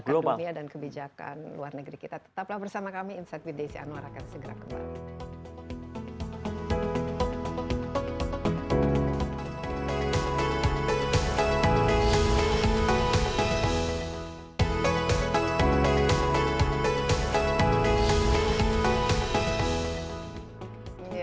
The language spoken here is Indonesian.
kebijakan dunia dan kebijakan luar negeri kita tetaplah bersama kami inside with desi anwar akan segera kembali